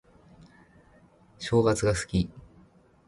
正月が好き